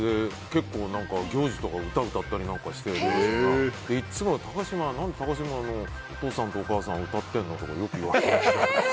結構行事とか、歌を歌ったりしていつも高嶋のお父さんとお母さん歌ってるの？とかよく言われて。